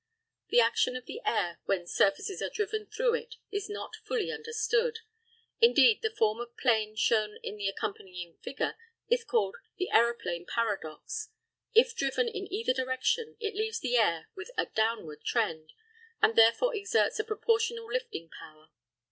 The action of the air when surfaces are driven through it is not fully understood. Indeed, the form of plane shown in the accompanying figure is called the aeroplane paradox. If driven in either direction it leaves the air with a downward trend, and therefore exerts a proportional lifting power.